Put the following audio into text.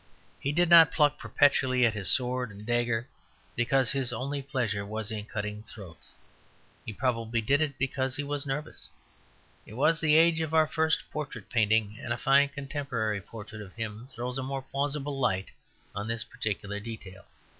He did not pluck perpetually at his sword and dagger because his only pleasure was in cutting throats; he probably did it because he was nervous. It was the age of our first portrait painting, and a fine contemporary portrait of him throws a more plausible light on this particular detail.